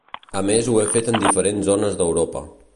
A més ho he fet en diferents zones d'Europa.